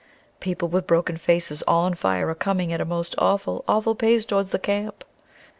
"People with broken faces all on fire are coming at a most awful, awful, pace towards the camp!"